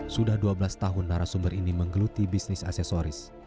sudah dua belas tahun narasumber ini menggeluti bisnis aksesoris